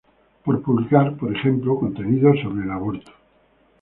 por publicar, por ejemplo, contenidos sobre aborto